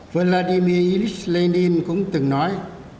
vladimir yelich lenin cũng từng nói